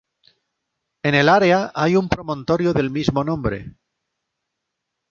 En el área hay un promontorio del mismo nombre.